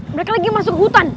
mereka lagi masuk hutan